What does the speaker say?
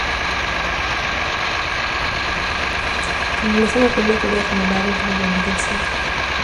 په نولسمه پېړۍ کې داسې مبارز نه دی لیدل شوی.